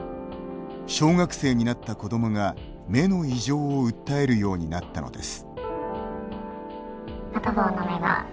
小学生になった子どもが目の異常を訴えるようになったのです。